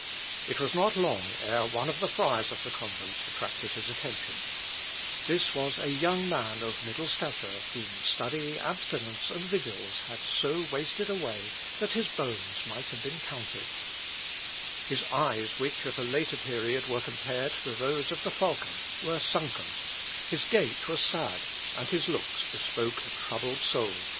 It was not long ere one of the friars of the convent attracted his attention. This was a young man of middle stature, whom study, abstinence, and vigils, had so wasted away, that his bones might have been counted. His eyes, which at a later period were compared to those of the falcon, were sunken, his gait was sad, and his looks bespoke a troubled soul, the victim of numerous struggles, yet still strong and bent on resisting.